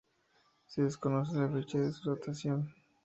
Se desconoce la fecha de su datación.